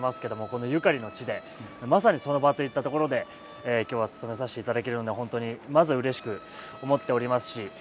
このゆかりの地でまさにその場といった所で今日はつとめさせていただけるので本当にまずうれしく思っておりますし。